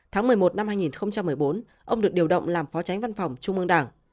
tháng một mươi một năm hai nghìn một mươi bốn ông được điều động làm phó tránh văn phòng trung ương đảng